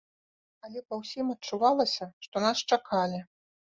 Але па ўсім адчувалася, што нас чакалі.